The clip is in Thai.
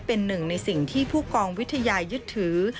เป็นหนึ่งในสิ่งที่ผู้กองวิทยายึดถือ